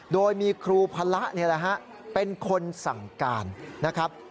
โดยมีครูพละเป็นคนสั่งการนะครับ